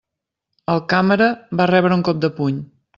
El càmera va rebre un cop de puny.